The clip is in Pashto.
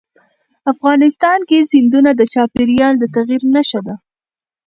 افغانستان کې سیندونه د چاپېریال د تغیر نښه ده.